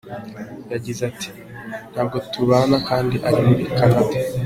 Yagize ati "…Ntabwo tubana kandi ari muri Canada.